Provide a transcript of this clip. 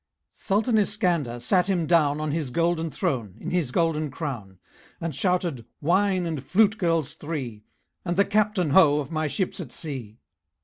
Sultan Iskander sat him down On his golden throne, in his golden crown, And shouted, "Wine and flute girls three, And the Captain, ho! of my ships at sea."